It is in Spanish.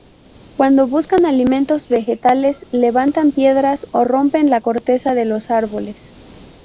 Cuando buscan alimentos vegetales, levantan piedras o rompen la corteza de los árboles.